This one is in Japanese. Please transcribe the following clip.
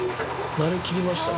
なれきりましたね。